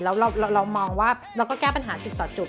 แล้วเรามองว่าเราก็แก้ปัญหาจุดต่อจุด